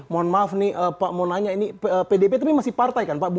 mohon maaf nih pak mau nanya ini pdip tapi masih partai kan pak